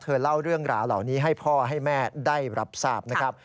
เล่าเรื่องราวเหล่านี้ให้พ่อให้แม่ได้รับทราบนะครับ